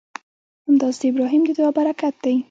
همداسې د ابراهیم د دعا برکت دی.